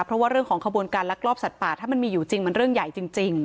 เพราะว่าเรื่องของขบวนการลักลอบสัตว์ป่าถ้ามันมีอยู่จริงมันเรื่องใหญ่จริง